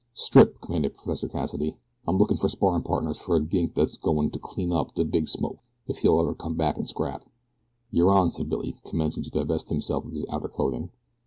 "Strip!" commanded Professor Cassidy. "I'm lookin' for sparrin' partners for a gink dat's goin' to clean up de Big Smoke if he'll ever come back an' scrap." "You're on," said Billy, commencing to divest himself of his outer clothing.